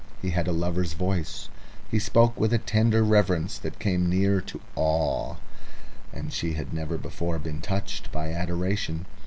He had a lover's voice, he spoke with a tender reverence that came near to awe, and she had never before been touched by adoration.